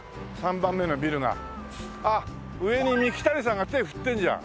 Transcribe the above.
あっ上に三木谷さんが手振ってるじゃん。